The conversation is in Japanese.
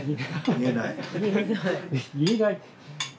言えない？